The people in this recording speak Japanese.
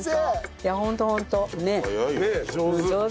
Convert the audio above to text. いやホントホント。ねえ？ねえ上手。